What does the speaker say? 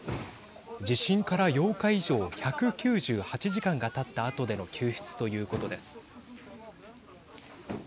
地震から８日以上１９８時間がたったあとでの救出ということです。